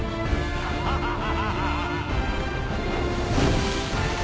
ハハハハ！